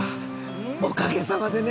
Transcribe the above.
おかげさまでね。